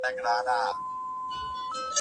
سمندر ومه ډوب کړی چې قیامت شو